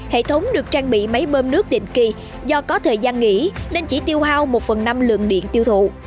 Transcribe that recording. hệ thống được trang bị máy bơm nước định kỳ do có thời gian nghỉ nên chỉ tiêu hao một phần năm lượng điện tiêu thụ